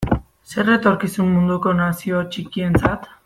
Zer etorkizun munduko nazio txikientzat?